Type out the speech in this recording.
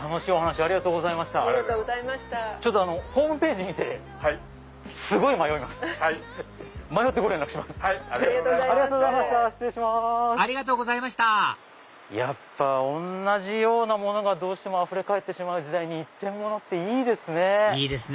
ありがとうございました同じようなものがどうしてもあふれ返ってしまう時代に一点物っていいですね。